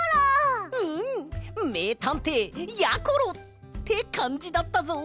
うんめいたんていやころ！ってかんじだったぞ！